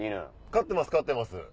飼ってます飼ってます。